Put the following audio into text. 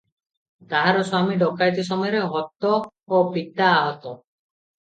ତାହାର ସ୍ୱାମୀ ଡକାଏତି ସମୟରେ ହତ ଓ ପିତା ଆହତ ।